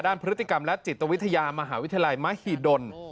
พฤติกรรมและจิตวิทยามหาวิทยาลัยมหิดล